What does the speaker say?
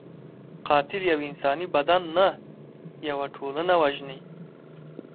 قاتل یو انساني بدن نه، یو ټولنه وژني